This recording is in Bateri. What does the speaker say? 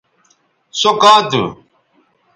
سو کاں تھو